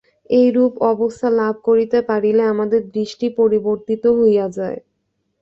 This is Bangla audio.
এইরূপ অবস্থা লাভ করিতে পারিলে আমাদের দৃষ্টি পরিবর্তিত হইয়া যায়।